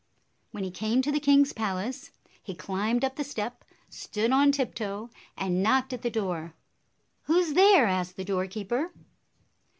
When he came to the king's palace, he climbed up the step, stood on tiptoe, and knocked at the door. "Who 's there?" asked the doorkeeper.